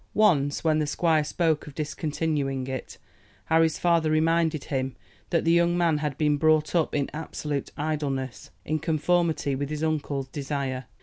Once, when the squire spoke of discontinuing it, Harry's father reminded him that the young man had been brought up in absolute idleness, in conformity with his uncle's desire.